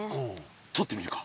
とってみるか。